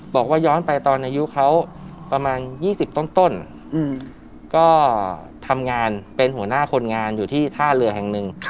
บอกว่าย้อนไปตอนอายุเขาประมาณ๒๐ต้นก็ทำงานเป็นหัวหน้าคนงานอยู่ที่ท่าเรือแห่งหนึ่ง